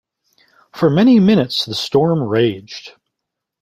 For many minutes the storm raged.